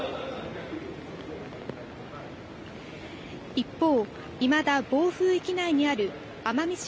一方、いまだ暴風域内にある奄美市